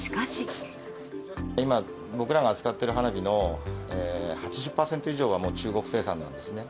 今、僕らが使っている花火の８０％以上は、もう中国生産なんですね。